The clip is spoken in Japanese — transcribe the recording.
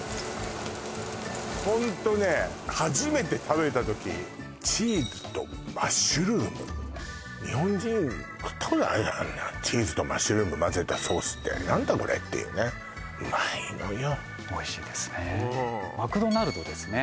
ホントね初めて食べた時チーズとマッシュルーム日本人食ったことないあんなチーズとマッシュルーム混ぜたソースって何だこれ？っていうねうまいのよおいしいですねマクドナルドですね